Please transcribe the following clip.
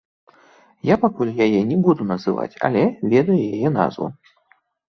Я пакуль яе не буду называць, але ведаю яе назву.